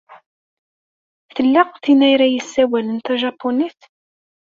Tella tin ay yessawalen tajapunit?